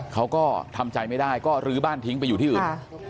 เขาก็ทำใจไม่ได้ก็ลื้อบ้านทิ้งไปอยู่ที่อื่น